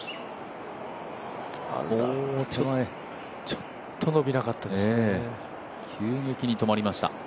ちょっと伸びなかったですね、急激に止まりました。